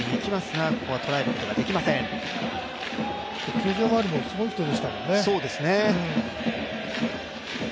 球場周りも、すごい人でしたからね。